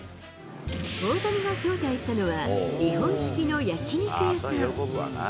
大谷が招待したのは、日本式の焼き肉屋さん。